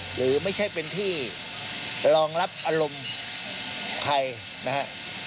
หรือไม่ใช่เป็นที่รองรับอารมณ์ใครนะฮะ